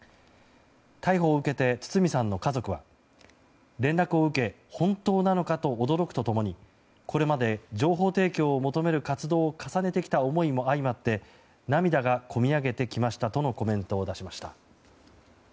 逮捕を受けて堤さんの家族は連絡を受け、本当なのかと驚くと共にこれまで情報提供を求める活動を重ねてきた思いも相まって涙がこみ上げてきましたとのコメントを出しました。